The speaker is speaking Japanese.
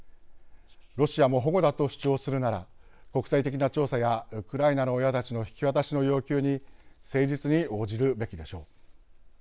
ロシアも保護だと主張するなら国際的な調査やウクライナの親たちの引き渡しの要求に誠実に応じるべきでしょう。